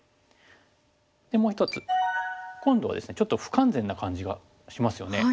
でもう一つ今度はですねちょっと不完全な感じがしますよね。